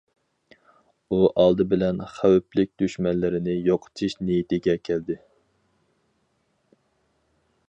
ئۇ ئالدى بىلەن خەۋپلىك دۈشمەنلىرىنى يوقىتىش نىيىتىگە كەلدى.